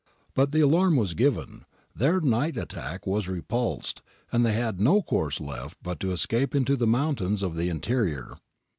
^ But the alarm was given, their night attack was repulsed, and they had no course left but to escape into the mountains of the interior.